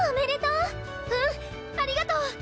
うんありがとう！